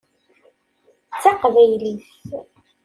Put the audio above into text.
D taqbaylit.